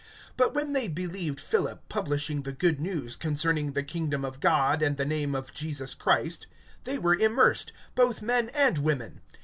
(12)But when they believed Philip publishing the good news concerning the kingdom of God and the name of Jesus Christ, they were immersed, both men and women.